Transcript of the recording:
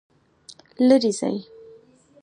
لیرې ځئ